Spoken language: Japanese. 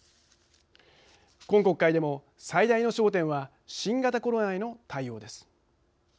今国会でも最大の焦点は新型コロナへの対応です。